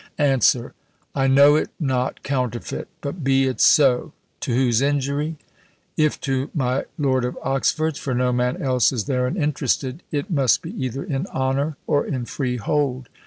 "Answer. I know it not counterfeit; but be it so, to whose injury? If to my Lord of Oxford's (for no man else is therein interested), it must be either in honour or in free hold.